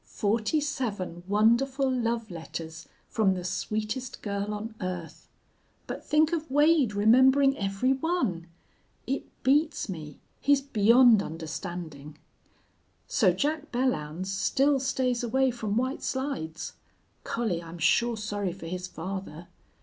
Forty seven wonderful love letters from the sweetest girl on earth! But think of Wade remembering every one! It beats me. He's beyond understanding. "So Jack Belllounds still stays away from White Slides. Collie, I'm sure sorry for his father.